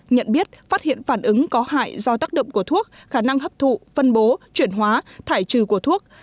nhận biết phát hiện phản ứng có hại do tác động của thuốc khả năng hấp thụ phân bố chuyển hóa thải trừ của thuốc